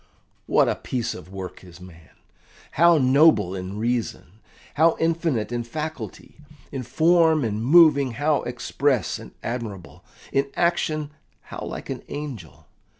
What a piece of work is a man! How noble in reason! How infinite in faculty! In form and moving how express and admirable! In action how like an angel!